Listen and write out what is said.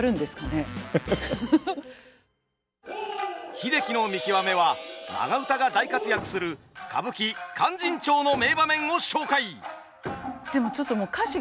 「英樹の見きわめ」は長唄が大活躍する歌舞伎「勧進帳」の名場面を紹介！